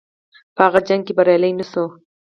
په هغه جنګ کې بریالی نه شو.